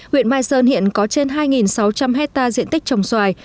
huyện mai sơn hiện có trên hai sáu trăm linh hectare diện tích trồng xoài